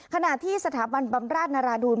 ขณะที่สถาบันบำราชนราดูล